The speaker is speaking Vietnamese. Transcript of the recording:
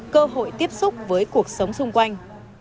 cơ hội tiếp xúc với cuộc sống xung quanh